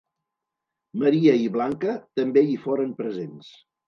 Maria i Blanca també i foren presents.